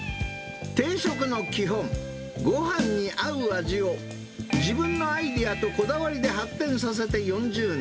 ごはんに合う味を自分のアイデアとこだわりで発展させて４０年。